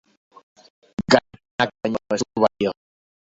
Garaipenak baino ez dio balio.